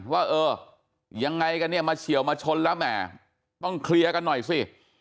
ว่าเออยังไงกันเนี่ยมาเฉียวมาชนแล้วแหมต้องเคลียร์กันหน่อยสิ